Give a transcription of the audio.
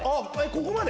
ここまで？